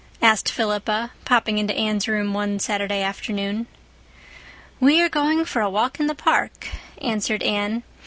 asked Philippa, popping into Anne's room one Saturday afternoon. "We are going for a walk in the park," answered Anne.